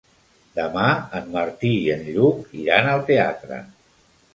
Demà en Martí i en Lluc iran al teatre.